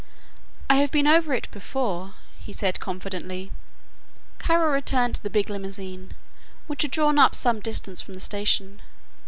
"I have been over it before," he said confidently. Kara returned to the big limousine which had drawn up some distance from the station.